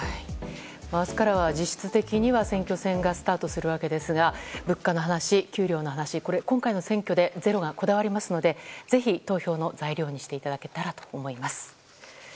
明日からは実質的には選挙戦がスタートするわけですが物価の話、給料の話今回の選挙で「ｚｅｒｏ」がこだわりますのでぜひ投票の材料にしていただければと思います。